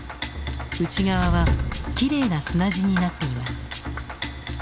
内側はきれいな砂地になっています。